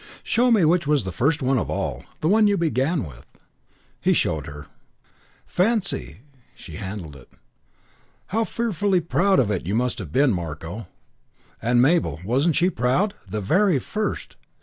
"Show me which was the first one of all the one you began with." He showed her. "Fancy!" She handled it. "How fearfully proud of it you must have been, Marko. And Mabel; wasn't she proud? The very first!"